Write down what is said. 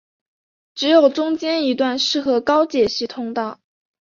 只有中间一段适合高解析通道。